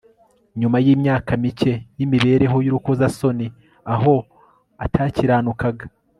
nyuma y'imyaka mike y'imibereho y'urukozasoni aho atakiranukaga